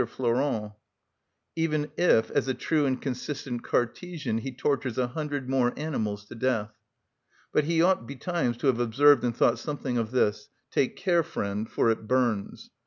Flourens, even if, as a true and consistent Cartesian, he tortures a hundred more animals to death. But he ought betimes to have observed and thought something of this: "Take care, friend, for it burns."